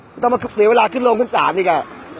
ก็ต้องมีเวลาขึ้นลงขึ้นสามอีกอ่ะ